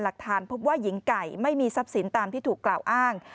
หลักฐานพบว่าหญิงไก่ไม่มีทรัพย์สินตามที่ถูกกล่าวอ้าง